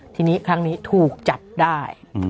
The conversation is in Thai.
ทีนี้ครั้งนี้ถูกจับได้